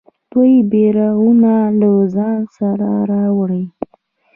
دوی بیرغونه له ځان سره راوړي.